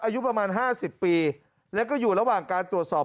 อายุประมาณ๕๐ปีแล้วก็อยู่ระหว่างการตรวจสอบ